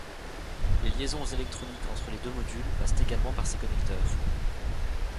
Les liaisons électroniques entre les deux modules passent également par ces connecteurs.